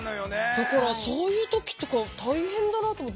だからそういう時とか大変だなと思って。